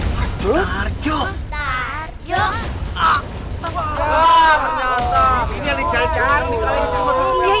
kau cannas yang terjitah